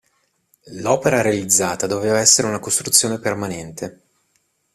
L'opera realizzata doveva essere una costruzione permanente.